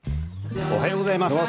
おはようございます。